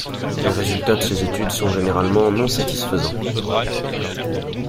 Les résultats de ces études sont généralement non-satisfaisant.